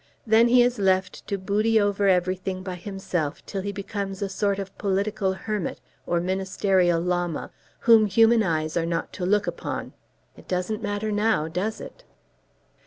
Then he is left to boody over everything by himself till he becomes a sort of political hermit, or ministerial Lama, whom human eyes are not to look upon. It doesn't matter now; does it?"